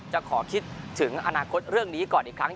จะขอคิดถึงอนาคตเรื่องนี้ก่อนอีกครั้ง